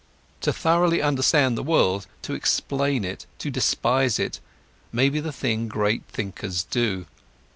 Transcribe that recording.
To thoroughly understand the world, to explain it, to despise it, may be the thing great thinkers do.